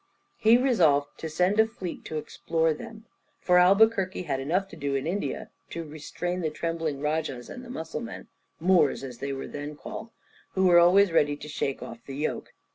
He resolved to send a fleet to explore them, for Albuquerque had enough to do in India to restrain the trembling Rajahs, and the Mussulmen Moors as they were then called who were always ready to shake off the yoke.